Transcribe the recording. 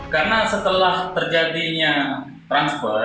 karena setelah terjadinya